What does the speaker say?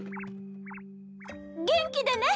元気でね。